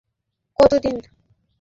কত দিন ধরে?